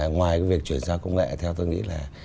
ngoài việc chuyển sang công nghệ theo tôi nghĩ là